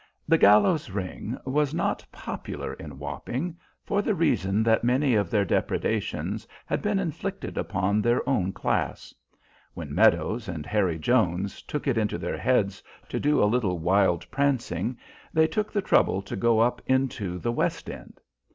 "The Gallows Ring" was not popular in Wapping, for the reason that many of their depredations had been inflicted upon their own class. When Meadows and Harry Jones took it into their heads to do a little wild prancing they took the trouble to go up into the West end.